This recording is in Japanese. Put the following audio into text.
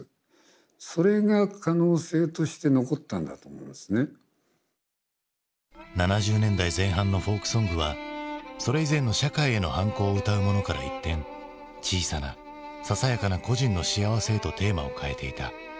そういう７０年代前半のフォークソングはそれ以前の社会への反抗を歌うものから一転小さなささやかな個人の幸せへとテーマを変えていた。